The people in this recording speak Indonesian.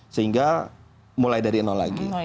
sehingga mulai dari nol lagi